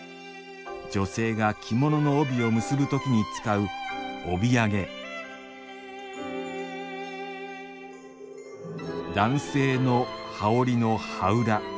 女性が着物の帯を結ぶ時に使う帯揚げ男性の羽織の羽裏。